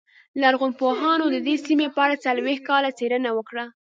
لرغونپوهانو د دې سیمې په اړه څلوېښت کاله څېړنه وکړه